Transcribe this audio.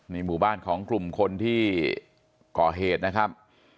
หมู่บ้านของกลุ่มคนที่ก่อเหตุนะครับ